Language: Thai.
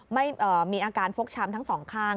ไม่มีอาการฟกช้ำทั้งสองข้าง